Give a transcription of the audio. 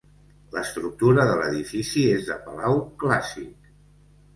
L'estructura de l'edifici és de palau clàssic.